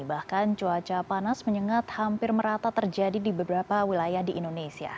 bahkan cuaca panas menyengat hampir merata terjadi di beberapa wilayah di indonesia